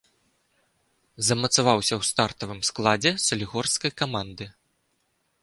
Замацаваўся ў стартавым складзе салігорскай каманды.